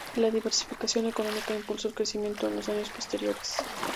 La diversificación económica impulsó el crecimiento en los años posteriores.